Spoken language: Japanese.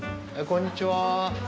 こんにちは。